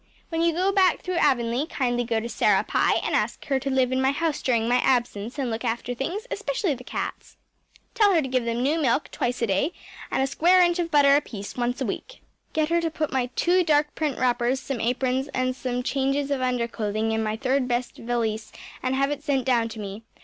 When you go back through Avonlea kindly go to Sarah Pye and ask her to live in my house during my absence and look after things, especially the cats. Tell her to give them new milk twice a day and a square inch of butter apiece once a week. Get her to put my two dark print wrappers, some aprons, and some changes of underclothing in my third best valise and have it sent down to me.